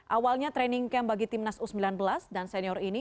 awalnya training camp bagi timnas u sembilan belas dan senior ini